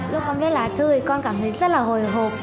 lúc con viết lá thư thì con cảm thấy rất là hồi hộp